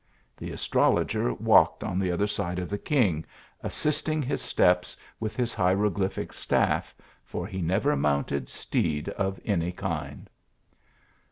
The astrologer walk ed on the other side of the king, assisting his steps v/ith his hieroglyphic staff, for he never mounted steed of any kind.